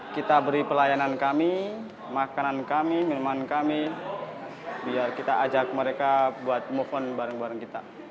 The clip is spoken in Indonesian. kita beri pelayanan kami makanan kami minuman kami biar kita ajak mereka buat movement bareng bareng kita